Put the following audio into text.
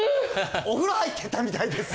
お風呂入ってたみたいです。